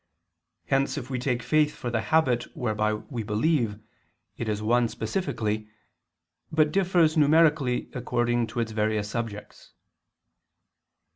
Hence if we take faith for the habit whereby we believe, it is one specifically, but differs numerically according to its various subjects.